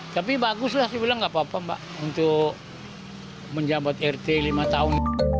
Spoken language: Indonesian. tapi bagus lah saya bilang enggak apa apa mbak untuk menjabat rt lima tahun